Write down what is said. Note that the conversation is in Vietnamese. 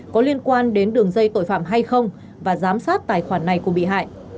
có liên quan đến đường dây tội phạm hay không và giám sát tài khoản này của bị hại